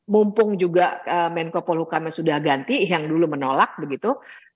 mumpung juga menko polhukamnya sudah ganti yang dulu menolak begitu